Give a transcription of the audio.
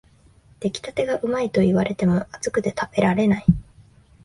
出来たてがうまいと言われても、熱くて食べられない